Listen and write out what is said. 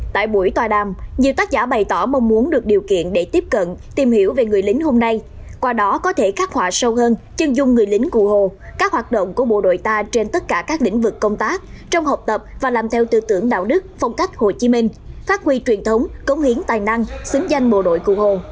tại buổi tòa đàm nhiều tác giả bày tỏ mong muốn được điều kiện để tiếp cận tìm hiểu về người lính hôm nay qua đó có thể khắc họa sâu hơn chân dung người lính cụ hồ các hoạt động của bộ đội ta trên tất cả các lĩnh vực công tác trong học tập và làm theo tư tưởng đạo đức phong cách hồ chí minh phát huy truyền thống cống hiến tài năng xứng danh bộ đội cụ hồ